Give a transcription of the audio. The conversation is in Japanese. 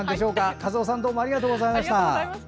和雄さんどうもありがとうございました。